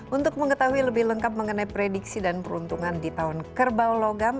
untuk mengetahui lebih lengkap mengenai prediksi dan peruntungan di tahun kerbau logam